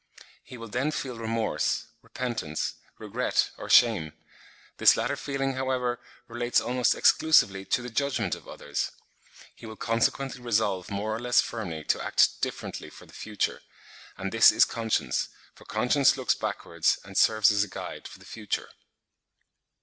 He will then feel remorse, repentance, regret, or shame; this latter feeling, however, relates almost exclusively to the judgment of others. He will consequently resolve more or less firmly to act differently for the future; and this is conscience; for conscience looks backwards, and serves as a guide for the future.